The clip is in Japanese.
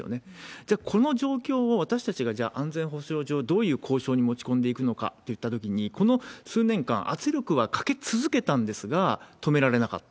じゃあ、この状況を私たちが、じゃあ安全保障上、どういう交渉に持ち込んでいくのかといったときに、この数年間、圧力はかけ続けたんですが、止められなかった。